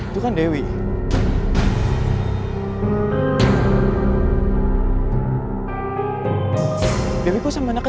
kekuatan geris sangkala ini bisa ngebantu kita